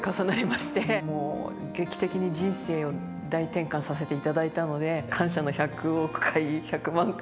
もう劇的に人生を大転換させていただいたので感謝の１００億回１００万回。